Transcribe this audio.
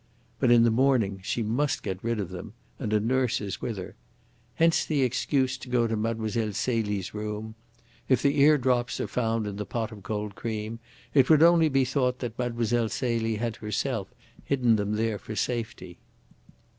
But in the morning she must get rid of them, and a nurse is with her. Hence the excuse to go to Mlle. Celie's room. If the eardrops are found in the pot of cold cream, it would only be thought that Mlle. Celie had herself hidden them there for safety.